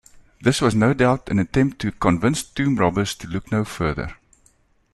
This was no doubt an attempt to convince tomb robbers to look no further.